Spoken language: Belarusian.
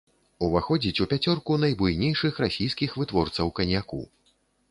Уваходзіць у пяцёрку найбуйнейшых расійскіх вытворцаў каньяку.